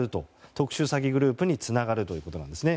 特殊詐欺グループにつながるということです。